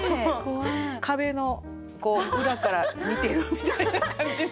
壁の裏から見てるみたいな感じありますよね。